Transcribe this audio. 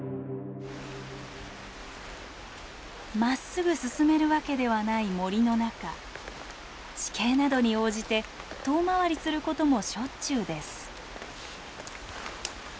まっすぐ進めるわけではない森の中地形などに応じて遠回りすることもしょっちゅうです。